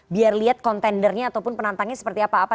biar lihat kontendernya ataupun penantangnya seperti apa apa